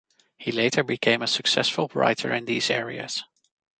He later became a successful writer in these areas.